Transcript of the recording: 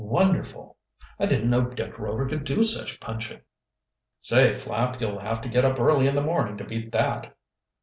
"Wonderful!" "I didn't know Dick Rover could do such punching!" "Say, Flapp, you'll have to get up early in the morning to beat that."